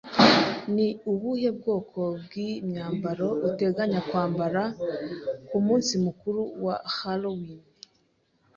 Ni ubuhe bwoko bw'imyambaro uteganya kwambara mu munsi mukuru wa Halloween?